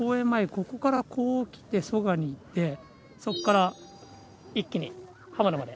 ここからこう来て蘇我に行ってそっから一気に浜野まで。